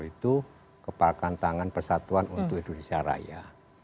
itu kepalkan tangan persatuan untuk indonesia raya